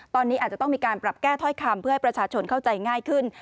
ตอนนี้อาจจะต้องมีการปรับแก้ถ้อยคำเพื่อให้ประชาชนเข้าใจง่ายขึ้น